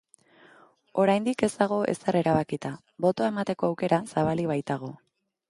Oraindik ez dago ezer erabakita, botoa emateko aukera zabalik baitago.